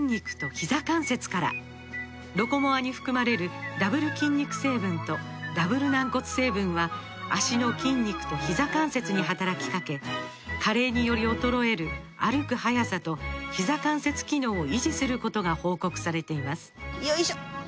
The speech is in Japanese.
「ロコモア」に含まれるダブル筋肉成分とダブル軟骨成分は脚の筋肉とひざ関節に働きかけ加齢により衰える歩く速さとひざ関節機能を維持することが報告されていますよいしょっ！